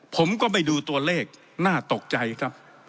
ผมก็ไปดูตัวเลขน่าตกใจครับ